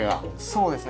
そうですね